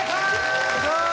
お願いします。